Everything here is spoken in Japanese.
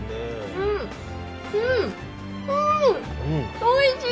うんうんおいしい！